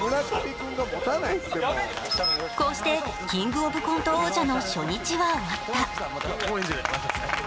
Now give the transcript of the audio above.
こうして「キングオブコント」王者の初日は終わった。